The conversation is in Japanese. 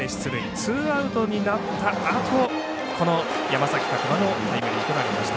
ツーアウトになったあと山崎琢磨のタイムリーヒットがありました。